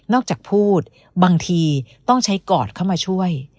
จากพูดบางทีต้องใช้กอดเข้ามาช่วย